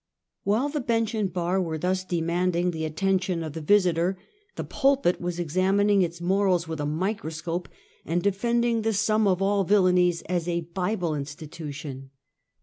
While the bench and bar were thus demanding the attention of the Visite?', the pulpit was examining its morals with a microscope, and defending the sum of all villainies as a Bible institution.